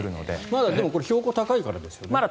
まだ標高が高いからですよね？